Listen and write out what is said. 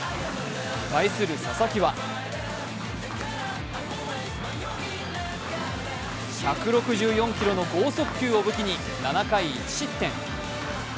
対する佐々木は１６４キロの剛速球を武器に７回１失点。